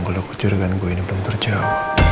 gue udah kucurkan gue ini belum terjauh